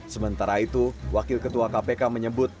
sementara itu wakil ketua kpk menyebut